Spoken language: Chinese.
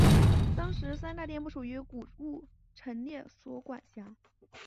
当时三大殿不属古物陈列所管辖。